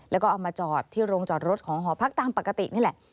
แล้วก็เอามาจอดที่โรงจอดรถของหอพักตามปกตินี่แหละ